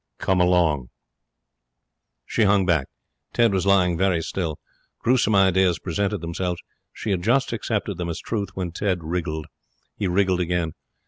'Come along!' She hung back. Ted was lying very still. Gruesome ideas presented themselves. She had just accepted them as truth when Ted wriggled. He wriggled again.